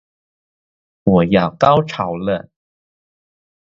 我要高潮了